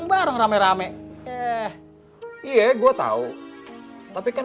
cuma satu kesahuan